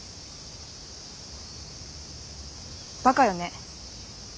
バカよね。